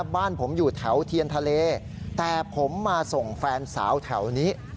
บ้านผมอยู่แถวเทียนทะเลแต่ผมมาส่งแฟนสาวแถวนี้